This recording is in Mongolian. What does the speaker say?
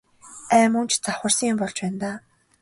Ай мөн ч завхарсан юм болж байна даа.